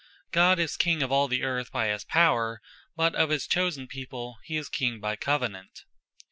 God is King of all the Earth by his Power: but of his chosen people, he is King by Covenant.